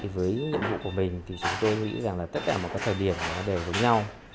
với nhiệm vụ của mình thì chúng tôi nghĩ rằng là tất cả mọi thời điểm với nhau